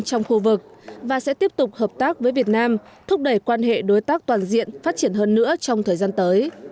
trong khu vực và sẽ tiếp tục hợp tác với việt nam thúc đẩy quan hệ đối tác toàn diện phát triển hơn nữa trong thời gian tới